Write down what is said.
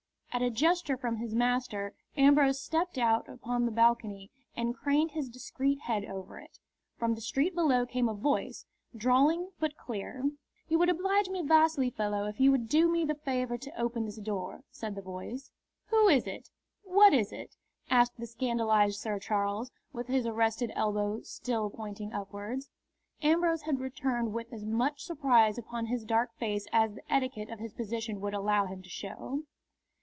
At a gesture from his master Ambrose stepped out upon the balcony and craned his discreet head over it. From the street below came a voice, drawling but clear. "You would oblige me vastly, fellow, if you would do me the favour to open this door," said the voice. "Who is it? What is it?" asked the scandalised Sir Charles, with his arrested elbow still pointing upwards. Ambrose had returned with as much surprise upon his dark face as the etiquette of his position would allow him to show.